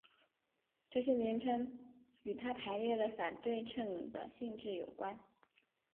这些名称与它排列和反对称的性质有关。